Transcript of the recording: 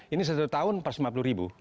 ini satu tahun rp lima puluh